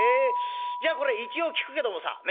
じゃあこれ一応聞くけどもさねっ。